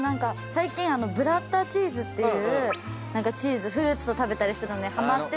最近ブッラータチーズっていうチーズフルーツと食べたりするのに。